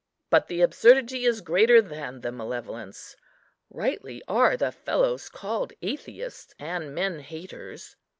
but the absurdity is greater than the malevolence. Rightly are the fellows called atheists and men haters.